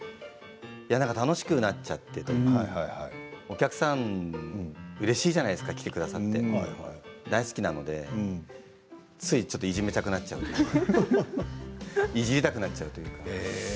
なんか楽しくなっちゃってというかお客さんうれしいじゃないですか来てくださって大好きなのでつい、いじめたくなっちゃういじりたくなっちゃう。